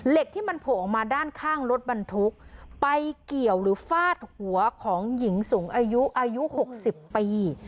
ที่มันโผล่ออกมาด้านข้างรถบรรทุกไปเกี่ยวหรือฟาดหัวของหญิงสูงอายุอายุหกสิบปี